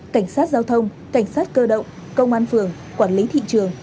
cảnh sát giao thông cảnh sát cơ động công an phường quản lý thị trường